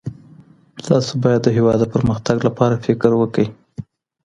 تاسو بايد د هېواد د پرمختګ لپاره فکر وکړو.